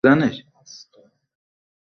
জ্বি, কয়েকবারই পরীক্ষা করা হয়েছে।